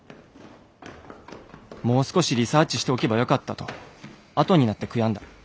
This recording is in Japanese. もう少しリサーチしておけばよかったとあとになって悔んだ。